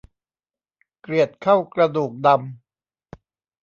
เกลียดเข้ากระดูกดำ